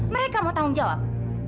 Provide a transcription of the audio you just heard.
mereka mau tanggung jawab